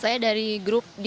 saya dari grup